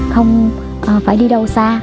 không phải đi đâu xa